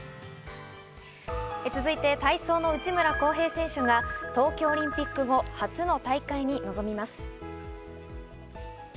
続いて、体操の内村航平選手が東京オリンピック後、初の大会に臨みます。